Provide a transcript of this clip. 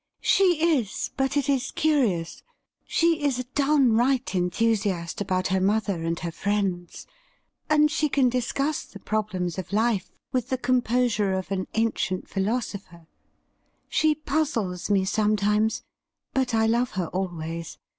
' She is — but it is curious — she is a downright enthusiast about her mother and her friends, and she can discuss the problems of life with the composure of an ancient philo sopher. She puzzles me sometimes, but I love her always.